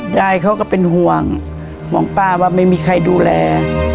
ยายเขาก็เป็นห่วงห่วงป้าว่าไม่มีใครดูแล